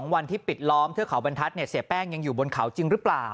วันที่ปิดล้อมเทือกเขาบรรทัศน์เสียแป้งยังอยู่บนเขาจริงหรือเปล่า